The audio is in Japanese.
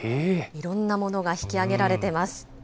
いろんなものが引き上げられてます。